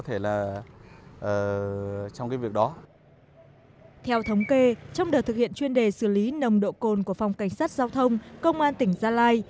theo thống kê trong đợt thực hiện chuyên đề xử lý nồng độ cồn của phòng cảnh sát giao thông công an tỉnh gia lai